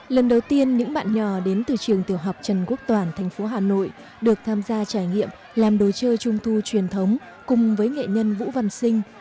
lần đầu tiên những bạn nhỏ đến từ trường tiểu học trần quốc toàn thành phố hà nội được tham gia trải nghiệm làm đồ chơi trung thu truyền thống cùng với nghệ nhân vũ văn sinh